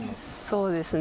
そうですね。